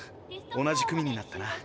同じ組になったな。